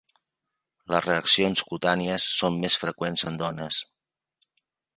Les reaccions cutànies són més freqüents en dones.